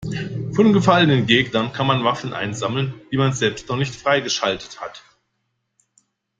Von gefallenen Gegnern kann man Waffen einsammeln, die man selbst noch nicht freigeschaltet hat.